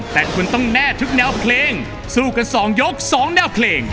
แต่คุณต้องแน่ทุกแนวเพลงสู้กัน๒ยก๒แนวเพลง